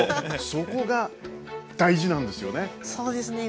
そこが大事なんですよね？